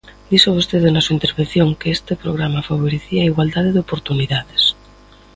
Dixo vostede na súa intervención que este programa favorecía a igualdade de oportunidades.